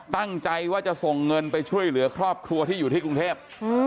ตั้งใจว่าจะส่งเงินไปช่วยเหลือครอบครัวที่อยู่ที่กรุงเทพ